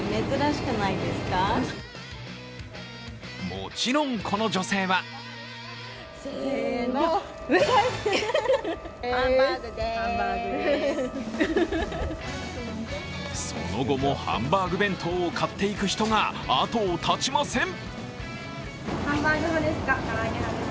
もちろん、この女性はその後もハンバーグ弁当を買っていく人が後を絶ちません。